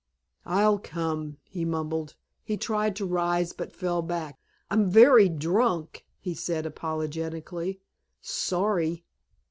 "I'll come," he mumbled. He tried to rise but fell back. "I'm very drunk," he said apologetically. "Sorry."